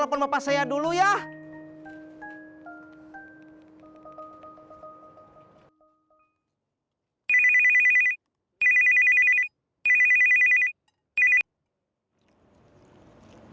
there tak ada yang datang